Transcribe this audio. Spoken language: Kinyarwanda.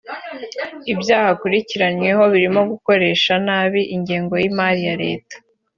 Ibyaha akurikiranyweho birimo gukoresha nabi ingengo y’imari ya leta